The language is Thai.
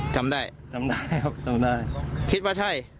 จำได้จำได้ครับจำได้คิดว่าใช่